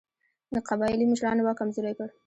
د قبایلي مشرانو واک کمزوری کړ.